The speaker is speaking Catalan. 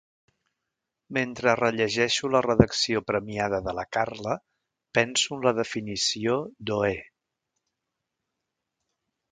Mentre rellegeixo la redacció premiada de la Carla penso en la definició d'Oé.